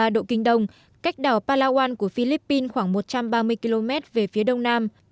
một trăm một mươi tám ba độ kinh đông cách đảo palawan của philippines khoảng một trăm ba mươi km về phía đông nam